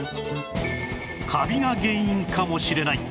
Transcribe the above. カビが原因かもしれない